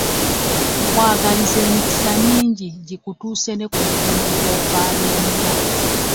Nkwagaliza emikisa mingi gikutuuse ne ku mulimu gw'ofaabiinira.